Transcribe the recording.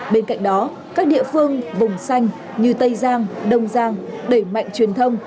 bên cạnh đó các địa phương vùng xanh như tây giang đông giang đẩy mạnh truyền thông